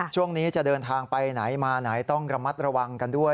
ช่วงนี้จะเดินทางไปไหนมาไหนต้องระมัดระวังกันด้วย